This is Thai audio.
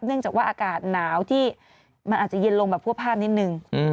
เนื่องจากว่าอากาศหนาวที่มันอาจจะเย็นลงแบบพวกภาพนิดนึง